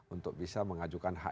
untuk bisa mengajukan hak